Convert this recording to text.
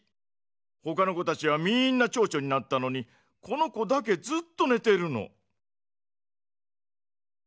ほかの子たちはみんなちょうちょになったのにこの子だけずっとねてるの。